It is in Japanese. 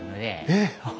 えっ！